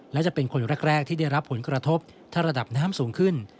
และจะเป็นคนแรกที่ได้รับผลกระทบถ้าระดับน้ำสูงขึ้น